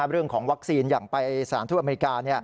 เรื่องของวัคซีนอย่างไปสถานทูตอเมริกา